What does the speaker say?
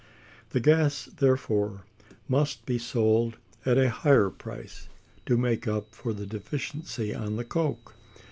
The gas, therefore, must be sold at a higher price, to make up for the deficiency on the coke.